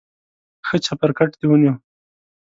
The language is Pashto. ښه چپرکټ دې ونیو.